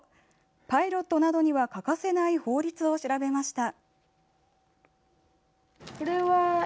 パイロットなどには欠かせない法律を調べました。